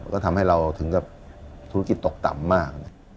ก็ทำให้เราถึงกับธุรกิจตกต่ำมาก